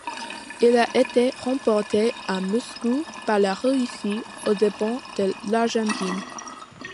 Elle a été remportée à Moscou par la Russie aux dépens de l'Argentine.